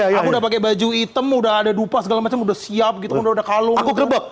ya udah pakai baju item udah ada dupa segala macam udah siap gitu udah kalau aku gerbok